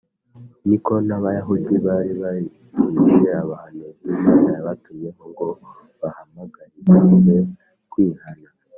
ni ko n’abayahudi bari barishe abahanuzi imana yabatumyeho ngo babahamagarire kwihana